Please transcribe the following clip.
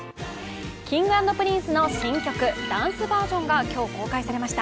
Ｋｉｎｇ＆Ｐｒｉｎｃｅの新曲ダンスバージョンが今日、公開されました。